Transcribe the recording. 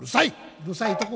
「うるさいとこ」。